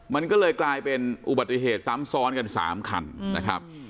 มันก็เลยกลายเป็นอุบัติเหตุซ้ำซ้อนกัน๓คันนะครับ